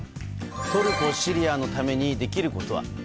トルコ、シリアのためにできることは？